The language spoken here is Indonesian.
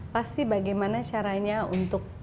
pasti bagaimana caranya untuk